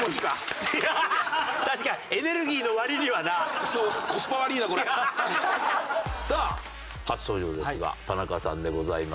確かにエネルギーの割にはな。さあ初登場ですが田中さんでございます。